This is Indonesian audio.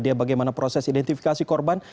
dia bagaimana proses identifikasi korban